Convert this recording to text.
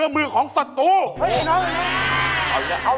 เห็นเขา